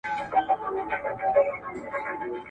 کومې ډلې د خپلې هیلې او آرمانونو لپاره مبارزه کوي؟